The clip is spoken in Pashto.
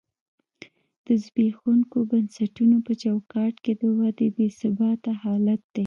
د زبېښونکو بنسټونو په چوکاټ کې د ودې بې ثباته حالت دی.